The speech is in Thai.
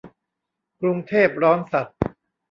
กรุงเทพร้อนสัส